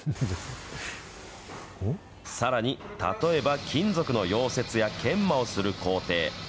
さらに、例えば金属の溶接や研磨をする工程。